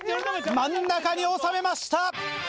真ん中に収めました！